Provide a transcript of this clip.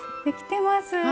できてます。